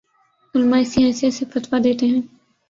علما اسی حیثیت سے فتویٰ دیتے ہیں